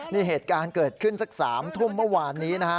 นี่เหตุการณ์เกิดขึ้นสัก๓ทุ่มเมื่อวานนี้นะฮะ